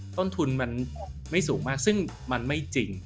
ต้นทุนมันไม่สูงมากซึ่งมันไม่จริง